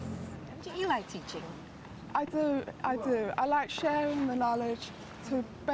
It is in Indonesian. dan tidak merasa merasa merasa merasa gembira